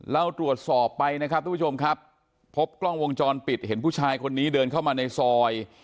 เราตรวจสอบไปนะครับทุกผู้ชมครับพบกล้องวงจรปิดเห็นผู้ชายคนนี้เดินเข้ามาในซอย